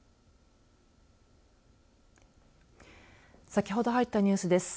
先ほど入ったニュースです。